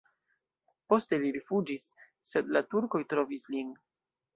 Poste li rifuĝis, sed la turkoj trovis lin.